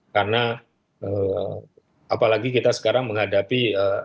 karena apalagi kita sekarang menghadapi